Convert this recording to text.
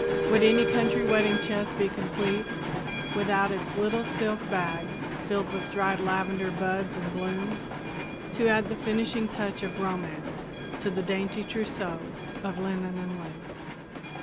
Would any country wedding chest be complete without its little silk bags filled with dried lavender buds and blooms to add the finishing touch of romance to the dainty trousseau of linen and lace?